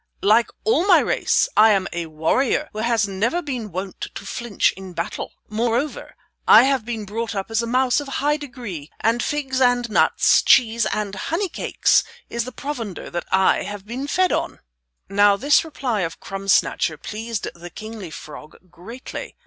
Like all my race I am a warrior who has never been wont to flinch in battle. Moreover, I have been brought up as a mouse of high degree, and figs and nuts, cheese and honeycakes is the provender that I have been fed on." Now this reply of Crumb Snatcher pleased the kingly frog greatly.